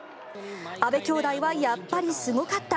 阿部兄妹はやっぱりすごかった。